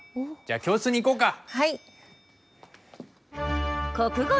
じゃあ教室に行こうか？